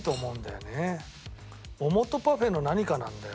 桃とパフェの何かなんだよね